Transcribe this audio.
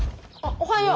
おはよう。